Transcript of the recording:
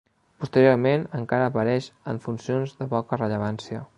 Posteriorment encara apareix en funcions de poca rellevància.